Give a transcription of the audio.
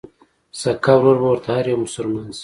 سکه ورور به ورته هر يو مسلمان شي